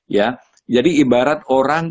ya jadi ibarat orang